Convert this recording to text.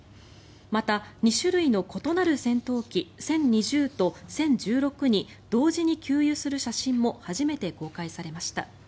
また、２種類の異なる戦闘機殲２０と殲１６に同時に給油する写真も初めて公開されました。